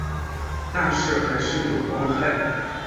但是还是有光害